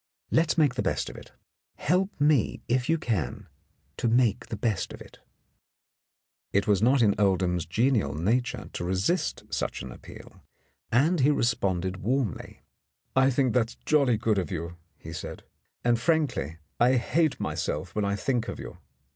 Let's make the best of it ; help me, if you can, to make the best of it." It was not in Oldham's genial nature to resist such an appeal, and he responded warmly. "I think that is jolly good of you," he said, "and, frankly, I hate myself when I think of you.